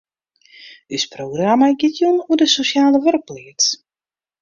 Us programma giet jûn oer de sosjale wurkpleats.